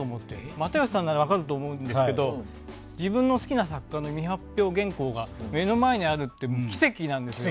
又吉さんなら分かると思うんですけど自分の好きな作家の未発表原稿が目の前にあるって奇跡なんですよ。